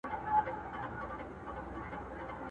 د دوست دوست او د کافر دښمن دښمن یو!.